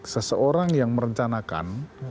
seseorang yang merencanakan